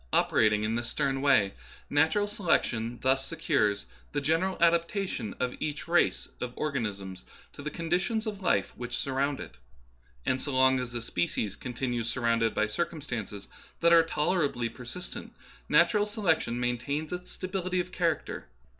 Operating in this stern way, natural selection secures the general adaptation of each race of or ganisms to the conditions of life which surround it. And so long as a species continues surrounded by circumstances that are tolerably persistent, natural selection maintains its stability of char acter.